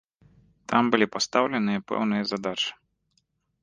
Там былі пастаўленыя пэўныя задачы.